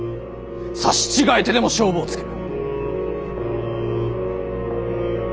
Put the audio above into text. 刺し違えてでも勝負をつける。